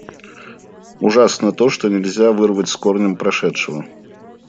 Ужасно то, что нельзя вырвать с корнем прошедшего.